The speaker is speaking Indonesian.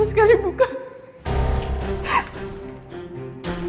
aku akan bikin hidup kamu jadi sengsara